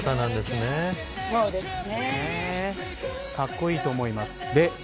かっこいいと思います。